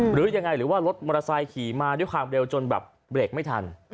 หรือยังไงหรือว่ารถมอเตอร์ไซค์ขี่มาด้วยความเร็วจนแบบเบรกไม่ทัน